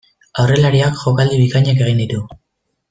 Aurrelariak jokaldi bikainak egin ditu.